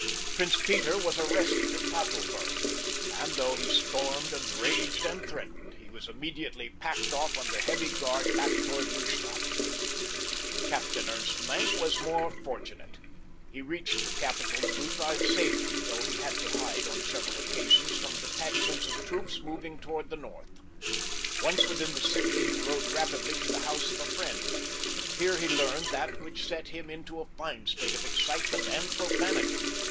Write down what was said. Prince Peter was arrested at Tafelberg, and, though he stormed and raged and threatened, he was immediately packed off under heavy guard back toward Lustadt. Captain Ernst Maenck was more fortunate. He reached the capital of Lutha in safety, though he had to hide on several occasions from detachments of troops moving toward the north. Once within the city he rode rapidly to the house of a friend. Here he learned that which set him into a fine state of excitement and profanity.